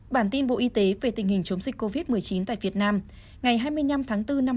bản tin bộ y tế về tình hình chống dịch covid một mươi chín tại việt nam ngày hai mươi năm tháng bốn năm hai nghìn hai mươi